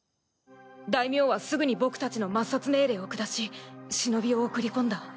大名はすぐに僕たちの抹殺命令をくだし忍を送り込んだ。